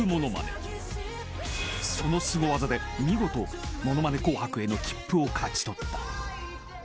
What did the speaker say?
［そのすご技で見事『ものまね紅白』への切符を勝ち取った］